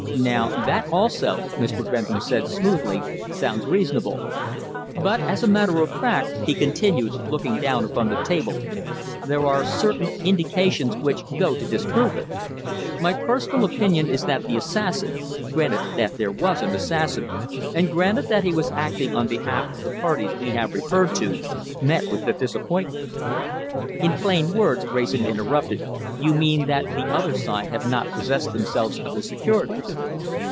"Now that, also," Mr. Bentham said smoothly, "sounds reasonable. But, as a matter of fact," he continued, looking down upon the table, "there are certain indications which go to disprove it. My personal opinion is that the assassin granted that there was an assassin, and granted that he was acting on behalf of the parties we have referred to met with a disappointment." "In plain words," Wrayson interrupted, "you mean that the other side have not possessed themselves of the securities?"